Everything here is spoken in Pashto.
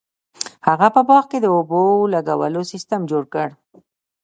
هغه په باغ کې د اوبو لګولو سیستم جوړ کړ.